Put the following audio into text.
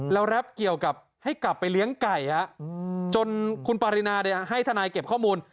แล้วแรปเกี่ยวกับให้กลับไปเลี้ยงไก่จนคุณปารินาให้ทนายเก็บข้อมูล